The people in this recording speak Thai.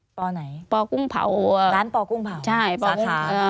ปอไหนปอกุ้งเผาร้านปอกุ้งเผา